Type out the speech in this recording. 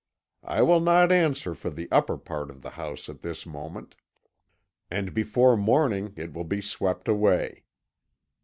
I will not answer for the upper part of the house at this moment, and before morning it will be swept away.'